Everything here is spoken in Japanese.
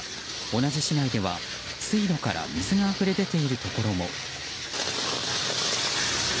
同じ市内では水路から水があふれ出ているところも。